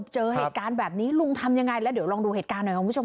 เจอเหตุการณ์แบบนี้ลุงทำยังไงแล้วเดี๋ยวลองดูเหตุการณ์หน่อยคุณผู้ชม